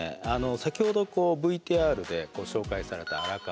先ほどＶＴＲで紹介された荒川。